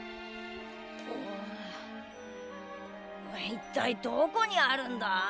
いったいどこにあるんだ？